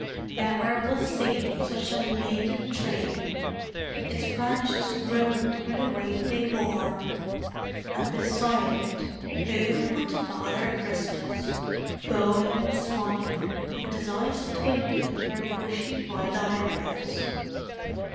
Never was seen such a laden tree; its branches groaned under the weight they bore. And beside it, who but Father Christmas, bowing and smiling with his eyes twinkling under bushy white eyebrows.